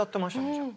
じゃあ。